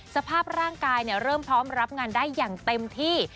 สภาพร่างกายเริ่มพร้อมรับงานได้อย่างเต็มที่